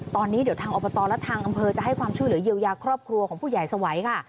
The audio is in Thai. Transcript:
ตอนนี้เดี๋ยวทางอบตและทางอำเภอจะให้ความช่วยเหลือเยียวยาครอบครัวของผู้ใหญ่สวัยค่ะ